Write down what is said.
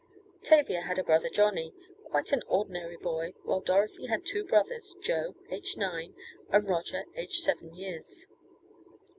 Tavia had a brother Johnnie, quite an ordinary boy, while Dorothy had two brothers, Joe, aged nine and Roger, aged seven years.